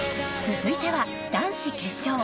続いては男子決勝。